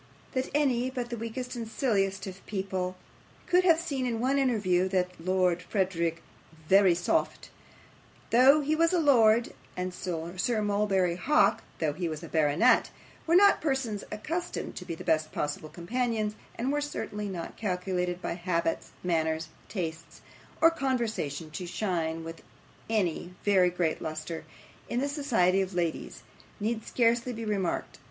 That any but the weakest and silliest of people could have seen in one interview that Lord Verisopht, though he was a lord, and Sir Mulberry Hawk, though he was a baronet, were not persons accustomed to be the best possible companions, and were certainly not calculated by habits, manners, tastes, or conversation, to shine with any very great lustre in the society of ladies, need scarcely be remarked.